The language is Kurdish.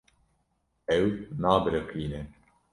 Ew nebiriqîne.